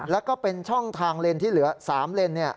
แล้วก็เป็นช่องทางเลนที่เหลือ๓เลน